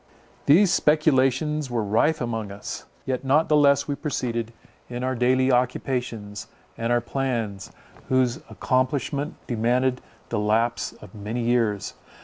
These speculations were rife among us; yet not the less we proceeded in our daily occupations, and our plans, whose accomplishment demanded the lapse of many years.